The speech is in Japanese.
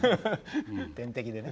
点滴でね。